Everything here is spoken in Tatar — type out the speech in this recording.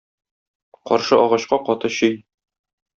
Каршы агачка каты чөй.